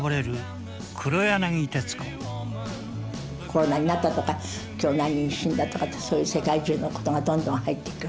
コロナになったとか今日何人死んだとかってそういう世界中のことがどんどん入ってくる。